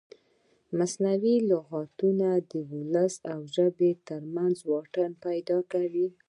مصنوعي لغتونه د ولس او ژبې ترمنځ واټن پیدا کوي.